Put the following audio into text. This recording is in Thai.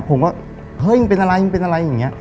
ผมก็เฮ้ยมึงเป็นอะไรมึงเป็นอะไรอย่างนี้